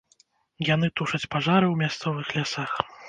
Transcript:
Яны тушаць пажары ў мясцовых лясах.